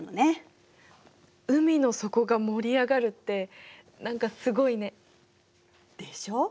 海の底が盛り上がるって何かすごいね。でしょう？